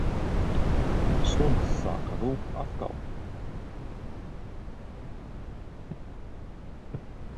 Suns sāka rūkt atkal.